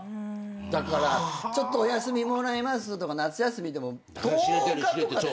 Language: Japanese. だからちょっとお休みもらいますとか夏休みでも１０日とかでしょ？